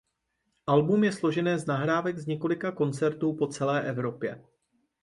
Album je složené z nahrávek z několika koncertů po celé Evropě.